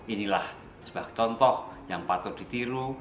inilah sebuah contoh yang patut ditiru